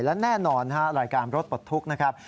และแน่นอนรายการรถปลดทุกข์นะครับ